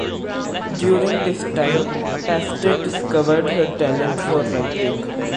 During this time, Pastor discovered her talent for writing.